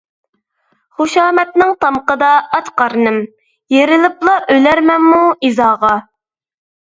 خۇشامەتنىڭ تامىقىدا ئاچ قارنىم، يېرىلىپلا ئۆلەرمەنمۇ ئىزاغا.